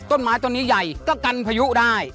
ต้นไม้ต้นนี้ใหญ่ก็กันพายุได้